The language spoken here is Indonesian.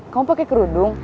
kamu pakai kerudung